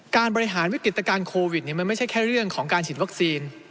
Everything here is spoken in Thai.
บริหารวิกฤตการณ์โควิดมันไม่ใช่แค่เรื่องของการฉีดวัคซีน